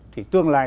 thì tương lai